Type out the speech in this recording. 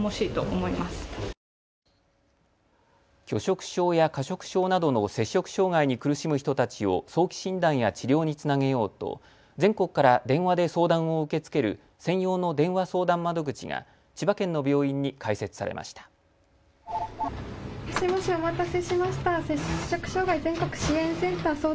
拒食症や過食症などの摂食障害に苦しむ人たちを早期診断や治療につなげようと全国から電話で相談を受け付ける専用の電話相談窓口が千葉県の病院に開設されました。